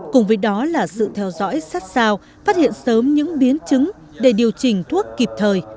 cùng với đó là sự theo dõi sát sao phát hiện sớm những biến chứng để điều chỉnh thuốc kịp thời